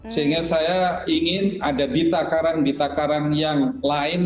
sehingga saya ingin ada ditakarang ditakarang yang lain